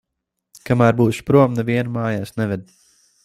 Kamēr būšu prom, nevienu mājās neved.